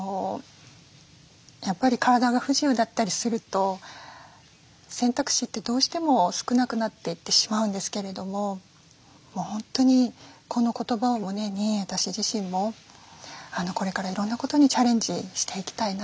やっぱり体が不自由だったりすると選択肢ってどうしても少なくなっていってしまうんですけれども本当にこの言葉を胸に私自身もこれからいろんなことにチャレンジしていきたいな。